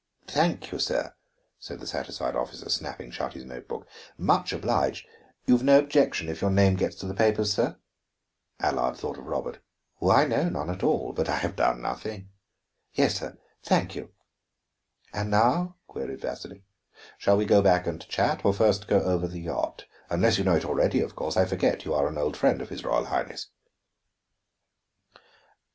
"Thank you, sir," said the satisfied officer, snapping shut his note book. "Much obliged. You've no objection if your name gets to the papers, sir?" Allard thought of Robert. "Why, no, none at all. But I have done nothing." "Yes, sir. Thank you." "And now?" queried Vasili. "Shall we go back and chat, or first go over the yacht? Unless you know it already, of course; I forget you are an old friend of his Royal Highness."